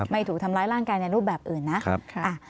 ไม่ถูกทำร้ายร่างกายในรูปแบบอื่นนะครับ